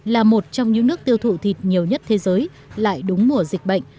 là một trong những nước tiêu thụ thịt nhiều nhất thế giới lại đúng mùa dịch bệnh